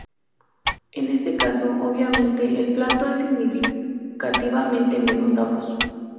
En este caso, obviamente, el plato es significativamente menos sabroso.